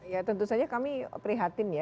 ya tentu saja kami prihatin ya